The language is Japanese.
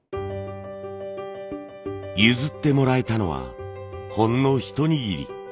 譲ってもらえたのはほんの一握り。